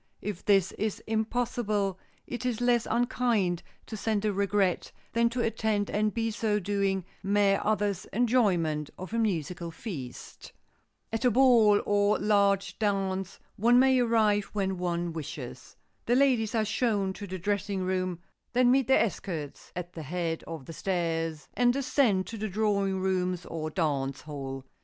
If this is impossible, it is less unkind to send a regret than to attend and by so doing mar others' enjoyment of a musical feast. At a ball or large dance, one may arrive when one wishes. The ladies are shown to the dressing room, then meet their escorts at the head of the stairs and descend to the drawing rooms or dance hall.